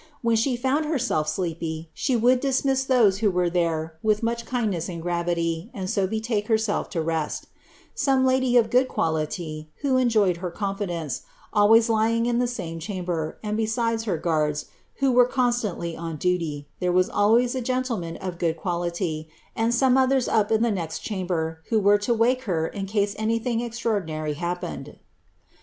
When she found herself sleepy, she would dismiss those, who were there, with much kindness and gravity, and so betake herself to rest Some lady of good quality, who enjoyed her confidence, always lying in the same chamber, and besides her guards, who were constantly on duty, there wu always a gentleman of good quality, and some others up in the next chamber, who were to wake her in case anything extraordinary hap* pened.'